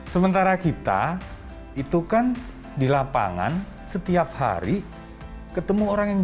sementara kita itu kan di lapangan setiap hari ketemu orang yang